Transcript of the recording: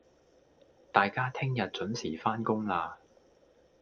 大家聽日準時返工喇